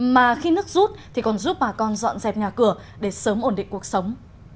mà khi nước rút thì còn giúp bà con dọn dẹp nhà cửa để sớm ổn định cuộc sống